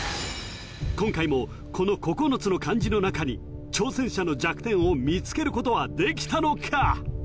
今回もこの９つの漢字の中に挑戦者の弱点を見つけることはできたのか？